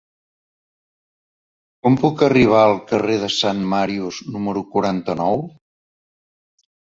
Com puc arribar al carrer de Sant Màrius número quaranta-nou?